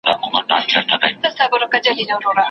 ما خو په دې ياغي وطـــــن كــــي يــــــــاره